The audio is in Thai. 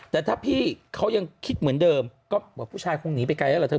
แต่ถ้าพี่เขายังคิดเหมือนเดิมก็บอกผู้ชายคงหนีไปไกลแล้วล่ะเธอ